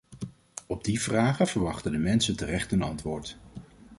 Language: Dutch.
Op die vragen verwachten de mensen terecht een antwoord.